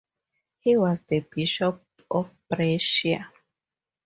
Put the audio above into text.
He was the Bishop of Brescia.